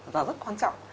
rồi rất quan trọng